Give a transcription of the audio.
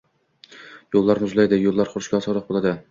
Yoʻllar muzlaydi, yoʻl yurishiga osonroq boʻladi.